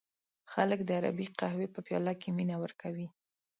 خلک د عربی قهوې په پیاله کې مینه ورکوي.